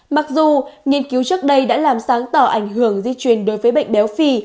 mặc dù nghiên cứu trước đây đã làm sáng tỏ ảnh hưởng di chuyển đối với bệnh béo phi